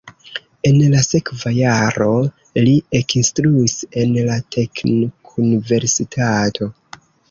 En la sekva jaro li ekinstruis en la Teknikuniversitato.